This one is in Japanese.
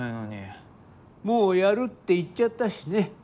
もうやるって言っちゃったしね。